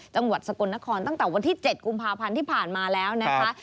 จังหวัดสกลนครตั้งแต่วันที่๗กุมภาพันธ์ที่ผ่านมาแล้วนะคะ